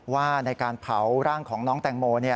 ว่าในการเผาร่างของน้องแตงโม